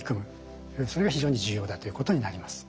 それが非常に重要だということになります。